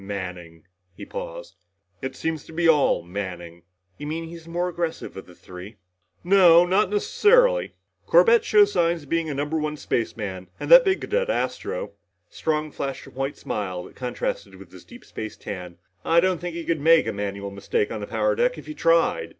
"Manning." He paused. "It seems to be all Manning!" "You mean he's the more aggressive of the three?" "No not necessarily. Corbett shows signs of being a number one spaceman. And that big cadet, Astro" Strong flashed a white smile that contrasted with his deep space tan "I don't think he could make a manual mistake on the power deck if he tried.